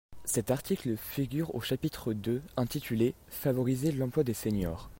Cet article figure au chapitre deux intitulé, Favoriser l’emploi des seniors.